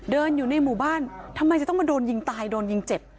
อยู่ในหมู่บ้านทำไมจะต้องมาโดนยิงตายโดนยิงเจ็บ